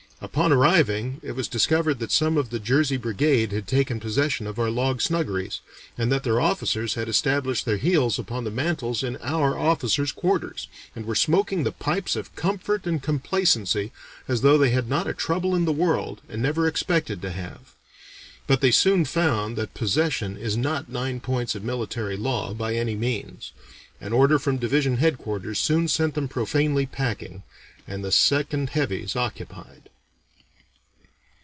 Upon arriving, it was discovered that some of the Jersey Brigade had taken possession of our log snuggeries, and that their officers had established their heels upon the mantels in our officers' quarters, and were smoking the pipes of comfort and complacency, as though they had not a trouble in the world, and never expected to have. But they soon found that possession is not nine points of military law, by any means. An order from Division Headquarters soon sent them profanely packing, and the Second Heavies occupied."